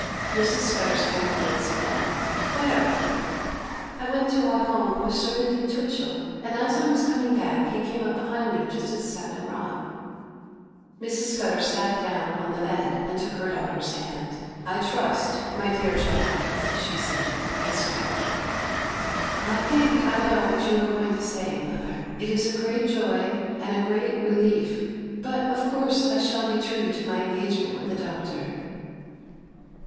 Mrs. Scudder's countenance fell. 'Where?' 'I went to walk home with Cerinthy Twitchel, and as I was coming back he came up behind me just at Savin Rock.' Mrs. Scudder sat down on the bed, and took her daughter's hand. 'I trust, my dear child,' she said—and stopped. 'I think I know what you are going to say, mother. It is a great joy and a great relief, but of course I shall be true to my engagement with the Doctor.